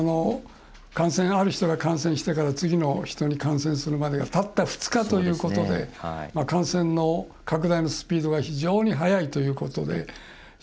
確かに、感染してから次の人に感染してからたった２日ということで感染の拡大のスピードが非常に速いということで。